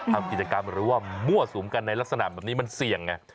ทำกิจกรรมหรือว่ามั่วสุมกันในลักษณะแบบนี้มันเสี่ยงไง